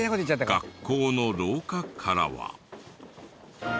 学校の廊下からは。